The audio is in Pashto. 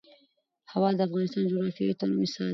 هوا د افغانستان د جغرافیوي تنوع مثال دی.